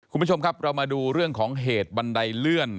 คุณผู้ชมครับเรามาดูเรื่องของเหตุบันไดเลื่อน